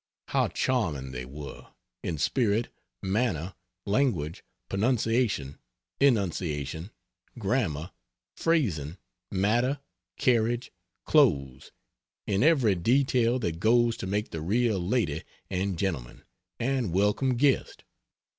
How charming they were in spirit, manner, language, pronunciation, enunciation, grammar, phrasing, matter, carriage, clothes in every detail that goes to make the real lady and gentleman, and welcome guest.